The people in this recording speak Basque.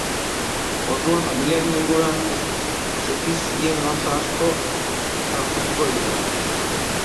Orduan, familiaren inguruan ez zekizkien gauza asko aurkituko ditu.